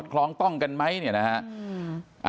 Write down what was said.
กรองต้องกันมั้ยนี่นะฮะ